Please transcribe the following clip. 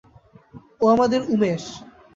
ও আমাদের উমেশ।